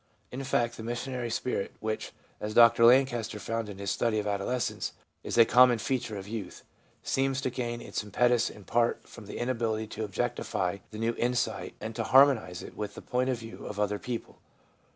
In fact, the missionary spirit, which, as Dr Lancaster found in his study of adolescence, is a com mon feature of youth, seems to gain its impetus in part from the inability to objectify the new insight and to harmonise it with the point of view of other people.